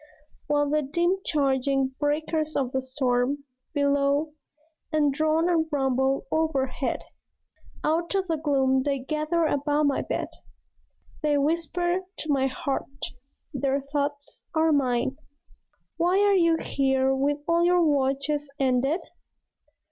While the dim charging breakers of the storm Bellow and drone and rumble overhead, Out of the gloom they gather about my bed. They whisper to my heart; their thoughts are mine. "Why are you here with all your watches ended?